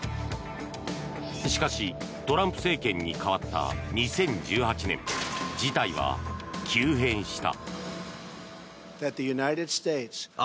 しかし、トランプ政権に代わった２０１８年事態は急変した。